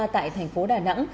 tại thành phố đà nẵng